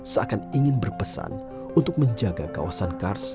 seakan ingin berpesan untuk menjaga kawasan kars